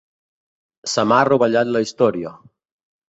Se m'ha rovellat la història.